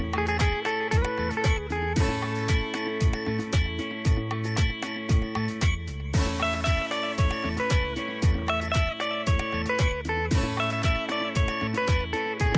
โปรดติดตามตอนต่อสภาพประกาศ